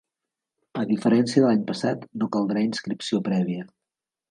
A diferència de l’any passat, no caldrà inscripció prèvia.